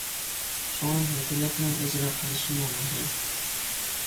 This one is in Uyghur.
شۇڭا ھۆكۈمەتنىڭ ئىجرا قىلىشمۇ مۇھىم.